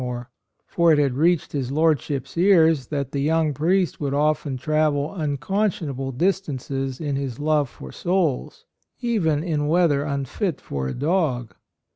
73 more; for it had reached his Lordship's ears that the young priest would often travel un conscionable distances in his love for souls, even "in weather unfit for a dog."